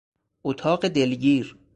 اتاق دلگیر